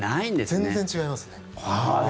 全然違いますね。